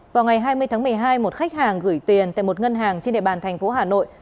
vào ngày hai mươi tháng một mươi hai một khách hàng gửi tiền tại một ngân hàng trên địa bàn thành phố hà nội